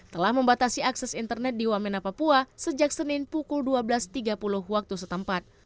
telah membatasi akses internet di wamena papua sejak senin pukul dua belas tiga puluh waktu setempat